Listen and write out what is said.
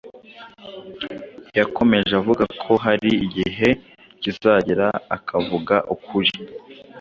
yakomeje avuga ko hari igihe kizagera akavuga ukuri